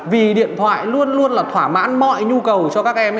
vì điện thoại luôn luôn là thỏa mãn mọi nhu cầu cho các em